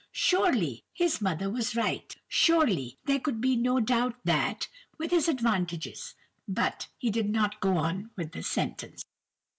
Surely his mother was right—surely there could be no doubt that, with his advantages—but he did not go on with the sentence.